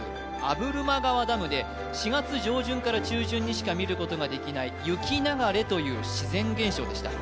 破間川ダムで４月上旬から中旬にしか見ることができない雪流れという自然現象でした